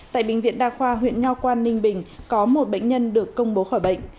tại bệnh viện đa khoa huyện nho quang ninh bình có một bệnh nhân được công bố khỏi bệnh